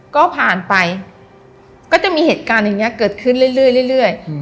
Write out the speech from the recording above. ก็ผ่านไปก็จะมีเหตุการณ์อย่างเงี้ยเกิดขึ้นเรื่อยเรื่อยเรื่อย